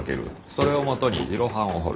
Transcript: それをもとに色版を彫る。